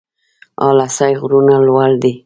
اله سای غرونه لوړ دي؟